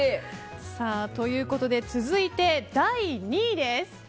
ということで続いて、第２位です。